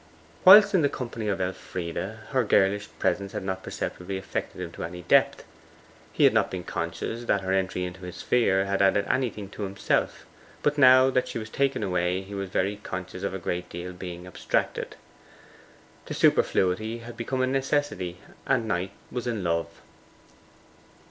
Whilst in the company of Elfride, her girlish presence had not perceptibly affected him to any depth. He had not been conscious that her entry into his sphere had added anything to himself; but now that she was taken away he was very conscious of a great deal being abstracted. The superfluity had become a necessity, and Knight was in love.